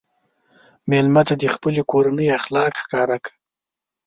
مېلمه ته د خپلې کورنۍ اخلاق ښکاره کړه.